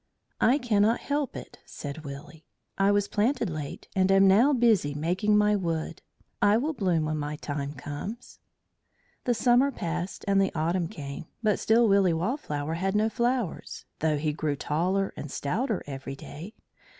"I cannot help it," said Willy. "I was planted late, and am now busy making my wood. I will bloom when my time comes." The summer passed and the autumn came, but still Willy Wallflower had no flowers, though he grew taller and stouter every day.